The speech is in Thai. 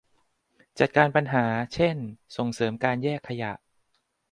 จัดการปัญหา เช่น ส่งเสริมการแยกขยะ